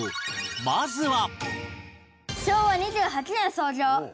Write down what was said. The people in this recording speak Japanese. まずは